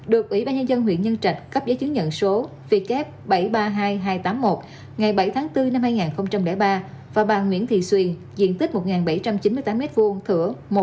được ủy ban nhân dân huyện nhân trạch cấp giấy chứng nhận số bảy trăm ba mươi hai nghìn hai trăm tám mươi một ngày bảy tháng bốn năm hai nghìn ba và bà nguyễn thị xuyên diện tích một bảy trăm chín mươi tám m hai thử một mươi một